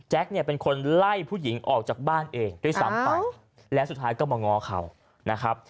เนี่ยเป็นคนไล่ผู้หญิงออกจากบ้านเองด้วยซ้ำไปและสุดท้ายก็มาง้อเขานะครับ